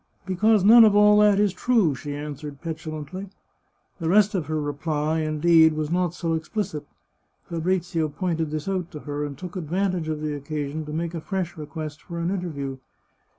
" Because none of all that is t^ue," she answered petu lantly. The rest of her reply, indeed, was not so explicit. Fabrizio pointed this out to her, and took advantage of the occasion to make a fresh request for an interview.